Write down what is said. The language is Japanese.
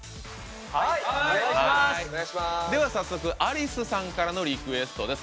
ありすさんからのリクエストです。